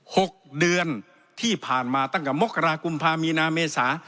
หกเดือนที่ผ่านมาตั้งแต่มกรากุมภามีนาเมษา